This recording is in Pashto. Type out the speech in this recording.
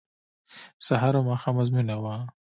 سهار او ماسپښین ازموینه وه.